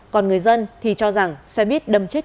còn người dân thì cho rằng xe buýt đâm chết